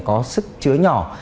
có sức chứa nhỏ